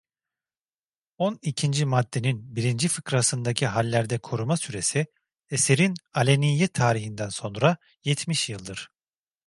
On ikinci maddenin birinci fıkrasındaki hallerde koruma süresi, eserin aleniyet tarihinden sonra yetmiş yıldır.